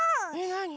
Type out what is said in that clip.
なに？